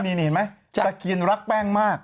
นี่เห็นไหมตะเคียนรักแป้งมาก